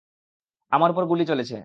আমার উপর গুলি চলেছে।